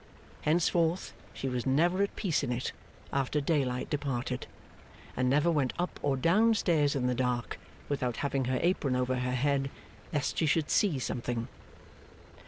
Henceforth, she was never at peace in it after daylight departed; and never went up or down stairs in the dark without having her apron over her head, lest she should see something.